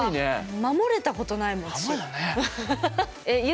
守れたことないもん、私。